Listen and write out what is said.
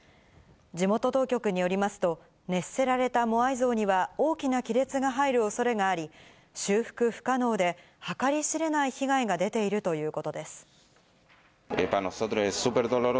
地元当局によりますと、熱せられたモアイ像には大きな亀裂が入るおそれがあり、修復不可能で、計り知れない被害が出ているということです。